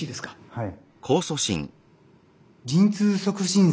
はい。